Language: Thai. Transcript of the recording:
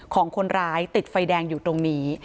ของคนร้ายติดไฟแดงอยู่ตรงนี้